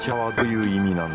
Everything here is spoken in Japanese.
うん？